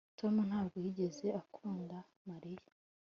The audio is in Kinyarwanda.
Tom ntabwo yigeze akunda Mariya